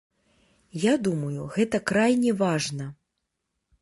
Я думаю, гэта крайне важна.